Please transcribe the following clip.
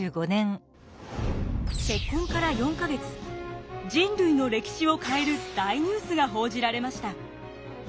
結婚から４か月人類の歴史を変える大ニュースが報じられました。